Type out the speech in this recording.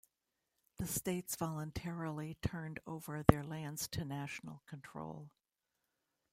The states voluntarily turned over their lands to national control.